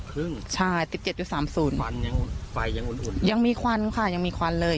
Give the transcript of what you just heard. ครึ่งใช่ติดเจ็ดจุดสามศูนย์ยังมีควันค่ะยังมีควันเลย